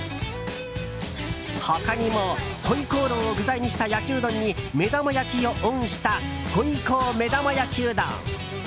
他にもホイコーローを具材にした焼きうどんに目玉焼きをオンしたホイコー目玉焼きうどん。